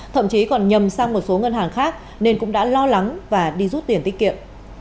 thậm chí còn nhầm sang một số ngân hàng khác nên cũng đã lo lắng và đi rút tiền tiết kiệm